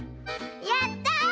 やった！